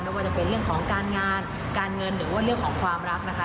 ว่าจะเป็นเรื่องของการงานการเงินหรือว่าเรื่องของความรักนะคะ